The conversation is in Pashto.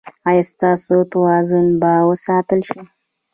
ایا ستاسو توازن به وساتل شي؟